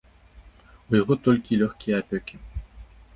У яго толькі лёгкія апёкі.